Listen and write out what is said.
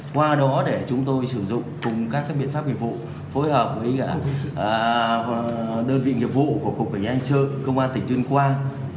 qua đó để chúng tôi sử dụng cùng các biện pháp nghiệp vụ phối hợp với đơn vị nghiệp vụ của cục cảnh sát anh sơn công an tỉnh tuyên quang